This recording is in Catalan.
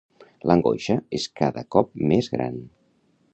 L'angoixa és cada cop més gran.